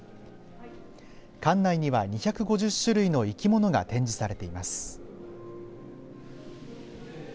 館内には２５０種類の生き物が展示されています。